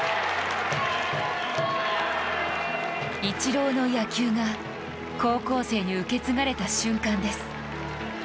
イチローの野球が高校生に受け継がれた瞬間です。